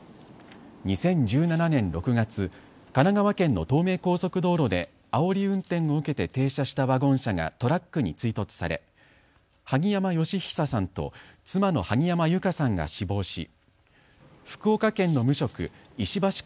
２０１７年６月、神奈川県の東名高速道路であおり運転を受けて停車したワゴン車がトラックに追突され萩山嘉久さんと妻の萩山友香さんが死亡し、福岡県の無職、石橋